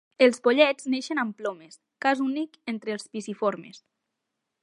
Els pollets neixen amb plomes, cas únic entre els piciformes.